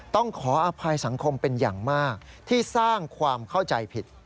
ต้องขออภัยสังคมเป็นอย่างมากที่สร้างความเข้าใจผิด